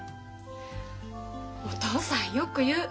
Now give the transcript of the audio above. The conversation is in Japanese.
お父さんよく言う。